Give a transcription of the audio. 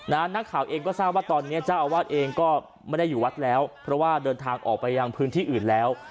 นักข่าวเองก็ทราบว่าตอนนี้เจ้าอาวาสเองก็ไม่ได้อยู่วัดแล้วเพราะว่าเดินทางออกไปยังพื้นที่อื่นแล้ว